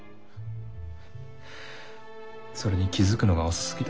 それに気付くのが遅すぎた。